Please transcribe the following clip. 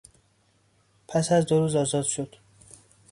پس از دو روز آزاد شد.